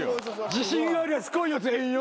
自信あるやつ来いよ全員よ。